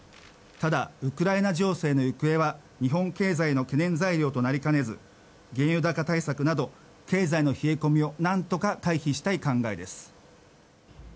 ただ、ウクライナ情勢の行方は日本経済の懸念材料となりかねず原油高対策など経済の冷え込みをなんとか回避したい考えです。